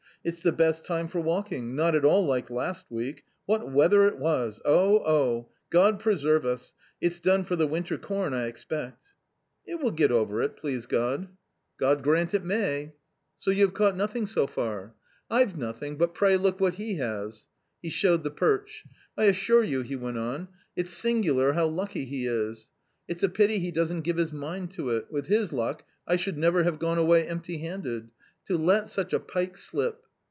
it's the best time for walking : not at all like last week ; what weather it was, oh, oh ! God preserve us ! It's done for the winter corn, I expect." " It will get over it, please God." 2o8 A COMMON STORY God grant it may !" So you have caught nothing so far !"" I've nothing, but pray look what he has/' He showed the perch. " I assure you," he went on, u it's singular how lucky he is ! It's a pity he doesn't give his mind to it ; with his luck I should never have gone away empty handed. To let such a pike slip